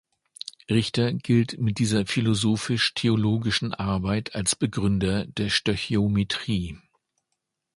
Richter gilt mit dieser philosophisch-theologischen Arbeit als Begründer der Stöchiometrie.